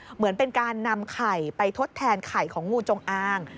เหมือนเป็นการนำไข่ไปทดแทนไข่ของงูจงอาง